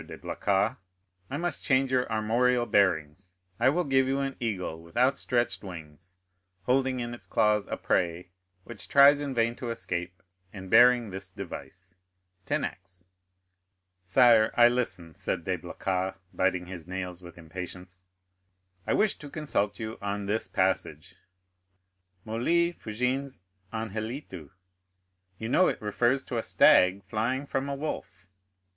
de Blacas, I must change your armorial bearings; I will give you an eagle with outstretched wings, holding in its claws a prey which tries in vain to escape, and bearing this device—Tenax." 0133m "Sire, I listen," said De Blacas, biting his nails with impatience. "I wish to consult you on this passage, 'Molli fugiens anhelitu,' you know it refers to a stag flying from a wolf.